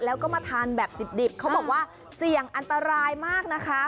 แล้วก็มาทานแบบดิบเขาบอกว่าเสี่ยงอันตรายมากนะคะ